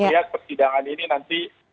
lihat persidangan ini nanti